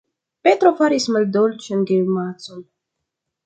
Petro faris maldolĉan grimacon.